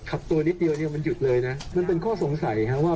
ตัวนิดเดียวเนี่ยมันหยุดเลยนะมันเป็นข้อสงสัยครับว่า